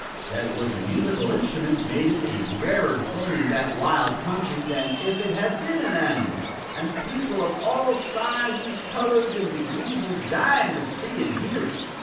That it was a musical instrument made it a rarer thing in that wild country than if it had been an animal, and people of all sizes, colors, and degrees were dying to see and hear it.